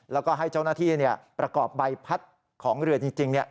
แล้วก็ให้เจ้าหน้าที่ประกอบใบพัดของเรือจริง